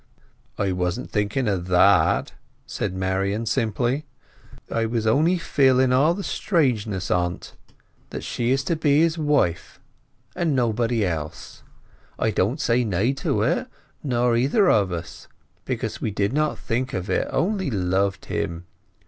"I wasn't thinking o' that," said Marian simply. "I was on'y feeling all the strangeness o't—that she is to be his wife, and nobody else. I don't say nay to it, nor either of us, because we did not think of it—only loved him.